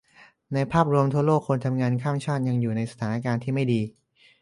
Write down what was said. ในภาพรวมทั่วโลก คนทำงานข้ามชาติยังอยู่ในสถานการณ์ที่ไม่ดี